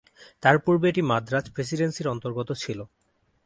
তার পূর্বে এটি মাদ্রাজ প্রেসিডেন্সির অন্তর্গত ছিল।